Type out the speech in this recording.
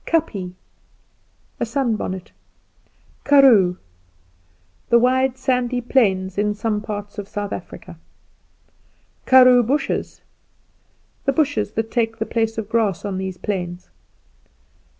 Kapje A sun bonnet. Karoo The wide sandy plains in some parts of South Africa. Karoo bushes The bushes that take the place of grass on these plains.